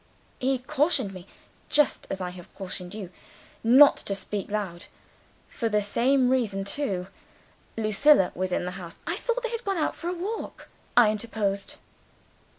He cautioned me (just as I have cautioned you) not to speak loud. For the same reason too. Lucilla was in the house " "I thought they had gone out for a walk," I interposed.